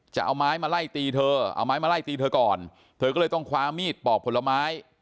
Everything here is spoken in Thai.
จะเอาไม้มาไล่ตีเธอเอาไม้มาไล่ตีเธอก่อนเธอก็เลยต้องคว้ามีดปอกผลไม้